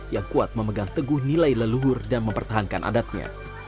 yang kuat memegang teguh nilai leluhur dan mempertahankan adatnya